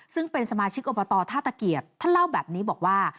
ซึ่งเป็นสมาชิกอบตท่าตะเกียบท่านเล่าแบบนี้บอกว่า